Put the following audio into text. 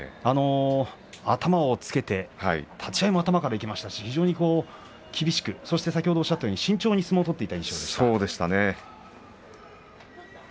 頭をつけて立ち合いも頭からいきましたし非常に厳しく、そしておっしゃったように慎重に相撲を取っていた印象でしたね。